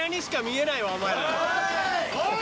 おい！